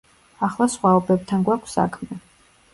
ახლა სხვაობებთან გვაქვს საქმე.